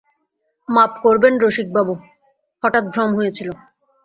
মাপ করবেন রসিকবাবু– হঠাৎ ভ্রম হয়েছিল।